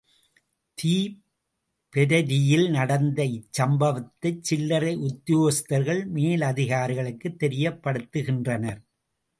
தீப்பெரரியில் நடந்த இச்சம்பவத்தைச் சில்லறை உத்தியோகஸ்தர்கள் மேலதிகாரிகளுக்குத் தெரியப்படுகின்றனர்.